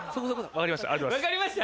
わかりました？